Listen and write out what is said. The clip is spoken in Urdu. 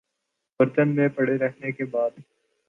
برتن میں پڑے رہنے کے بعد